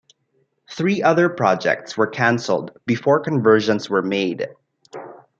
Three other projects were cancelled before conversions were made.